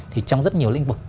thì trong rất nhiều lĩnh vực